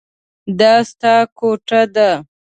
دا ستا کوټه ده.